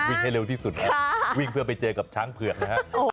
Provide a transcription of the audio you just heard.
วิ่งให้เร็วที่สุดครับวิ่งเพื่อไปเจอกับช้างเผือกนะครับ